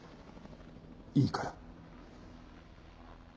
いいから。